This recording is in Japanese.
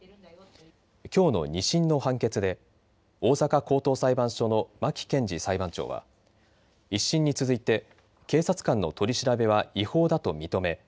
きょうの２審の判決で大阪高等裁判所の牧賢二裁判長は１審に続いて警察官の取り調べは違法だと認め